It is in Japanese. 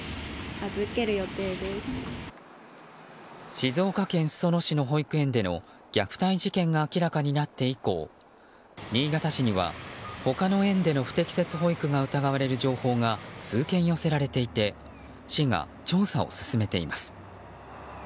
静岡県裾野市の保育園での虐待事件が明らかになって以降新潟市には他の園での不適切保育が疑われる情報が数件寄せられていて市が調査を進めています。